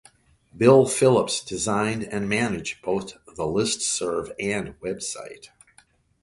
Bill Phillips designed and managed both the listserv and website.